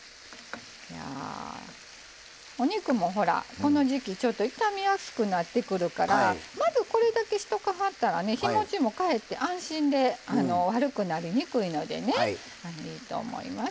お肉も、この時季傷みやすくなってくるからまず、これだけしとかはったら日もちも安心で悪くなりにくいのでいいと思います。